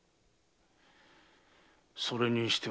それにしても。